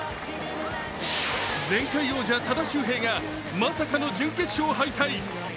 前回王者、多田修平がまさかの準決勝敗退。